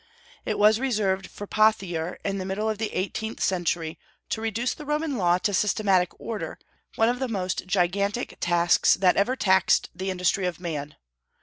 It was reserved for Pothier, in the middle of the eighteenth century, to reduce the Roman law to systematic order, one of the most gigantic tasks that ever taxed the industry of man.